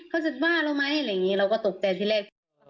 เขาจะบ้าเราไหมแบบแบบนี้เราก็ตกใจทีแรก